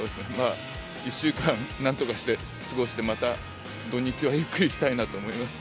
１週間何とかして過ごして土日ゆっくりしたいと思います。